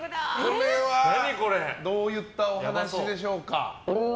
これはどういったお話でしょうか。